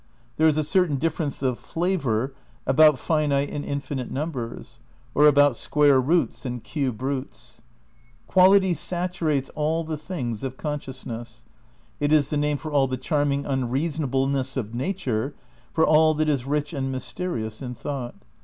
There is a certain difference of flavour about finite and infinite numbers, or about square roots and cube roots. Qual ity saturates all the things of consciousness. It is the name for all the charming unreasonableness of nature, for all that is rich and mysterious in thought.